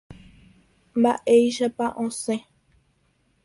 Mba'éichapa osẽ.